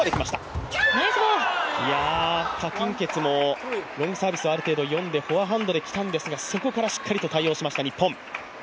何鈞傑もロングサービスはある程度、読んでフォアハンドできたんですがそこからしっかりと対応しました日本。